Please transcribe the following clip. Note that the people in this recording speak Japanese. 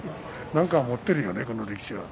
何か持ってるよね、この力士は。